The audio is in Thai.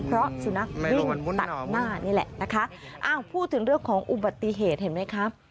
เพราะสุนัขวิ่งตัดหน้านี่แหละนะคะอ้าวพูดถึงเรื่องของอุบัติเหตุเห็นไหมครับ